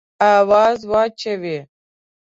آوازه واچوې.